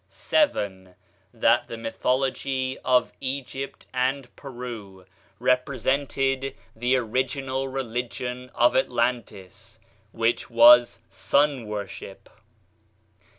7. That the mythology of Egypt and Peru represented the original religion of Atlantis, which was sun worship.